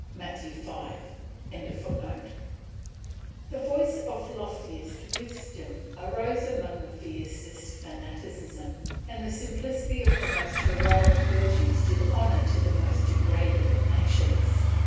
Matt. v.] The voice of loftiest wisdom arose among the fiercest fanaticism, the simplicity of the most heroic virtues did honour to the most degraded of nations.